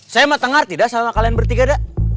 saya mah tengar tidak salah kalian bertiga dah